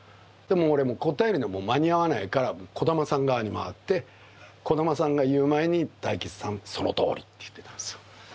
俺もう答えるのも間に合わないから児玉さん側に回って児玉さんが言う前に「大吉さんそのとおり」って言ってたんですよ。